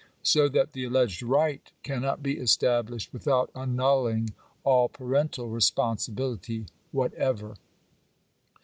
So that the alleged right can not be established without annulling all parental responsibility whatever.